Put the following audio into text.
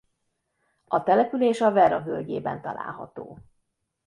A település a Werra völgyeben található.